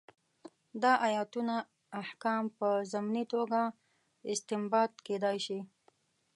دا ایتونه احکام په ضمني توګه استنباط کېدای شي.